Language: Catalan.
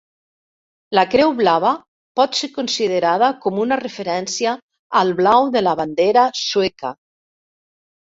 La creu blava pot ser considerada com una referència al blau de la bandera sueca.